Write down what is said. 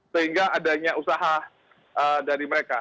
sehingga adanya usaha dari mereka